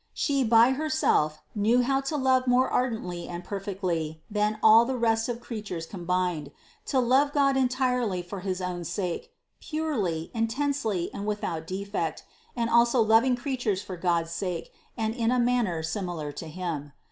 She by Herself knew how to love more ardently and per fectly than all the rest of creatures combined, to love God entirely for his own sake, purely, intensely and without defect, and also loving creatures for God's sake and in a manner similar to Him.